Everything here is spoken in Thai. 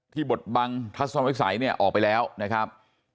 ที่บทบังทัศนภัยไฟสายเนี่ยออกไปแล้วนะครับ